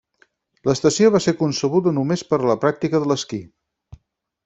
L'estació va ser concebuda només per a la pràctica de l'esquí.